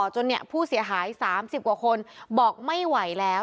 จนผู้เสียหาย๓๐กว่าคนบอกไม่ไหวแล้ว